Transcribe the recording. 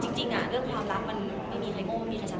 จริงเรื่องความรักมันไม่มีใครโม่ไม่มีใครใช้